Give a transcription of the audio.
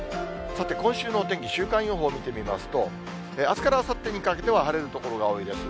さて、今週のお天気、週間予報を見てみますと、あすからあさってにかけては晴れる所が多いです。